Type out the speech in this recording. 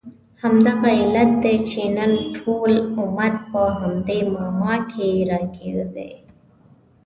همدغه علت دی چې نن ټول امت په همدې معما کې راګیر دی.